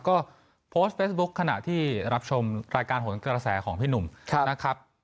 ก็โพสต์เฟซบุ๊คขณะที่รับชมรายการหนกระแสของพี่หนุ่มนะครับ